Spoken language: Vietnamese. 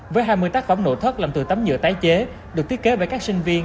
với hai mươi tác phẩm nội thất làm từ tấm nhựa tái chế được thiết kế bởi các sinh viên